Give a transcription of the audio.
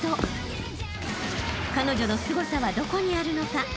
［彼女のすごさはどこにあるのか